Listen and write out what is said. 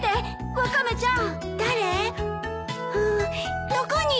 ワカメちゃん！